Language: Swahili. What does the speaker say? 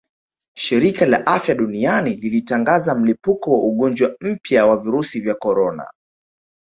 Shirika la Afya Duniani lilitangaza mlipuko wa ugonjwa mpya wa virusi vya korona